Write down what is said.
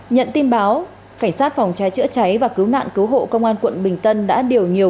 nhận tin báo cảnh sát phòng cháy chữa cháy và cứu nạn cứu hộ công an quận bình tân đã điều nhiều